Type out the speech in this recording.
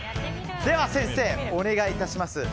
では先生、お願いいたします。